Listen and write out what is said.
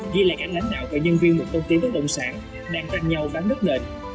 ghi lại cảnh lãnh đạo và nhân viên một công ty bất động sản đang tranh nhau bán đất nền